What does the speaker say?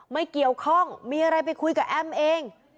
ไม่เกี่ยวข้องมีอะไรไปคุยกับแอมเอง